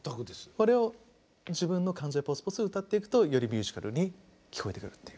それを自分の感情でポツポツ歌っていくとよりミュージカルに聞こえてくるという。